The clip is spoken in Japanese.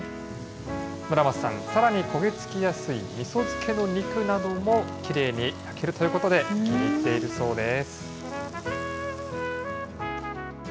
村松さん、さらに焦げ付きやすいみそ漬けの肉なども、きれいに焼けるということで、気に入っているそうです。